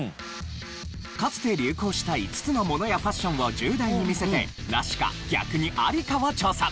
かつて流行した５つのものやファッションを１０代に見せてナシか逆にアリかを調査。